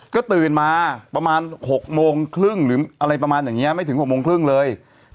ก็ตื่นมาประมาณ๖โมงครึ่งหรืออะไรประมาณอย่างนี้ไม่ถึง๖โมงครึ่งเลย